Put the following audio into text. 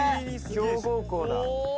強豪校だ